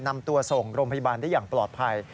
นำตัวส่งโรงพยาบาลได้อย่างปลอดภัย